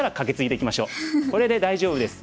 これで大丈夫です。